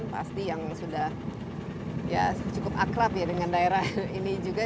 pasti yang sudah cukup akrab ya dengan daerah ini juga